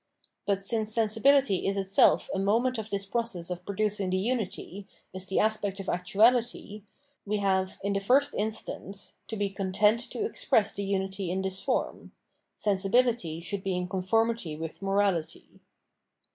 But since 615 The Moral View of the World sensibility is itself a moment of this process of pro dacing the unity, is the aspect of actuality, we have, in the first instance, to be content to express the unity in this form — sensibility should be in conformity with morality.